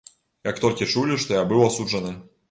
Як толькі чулі, што я быў асуджаны.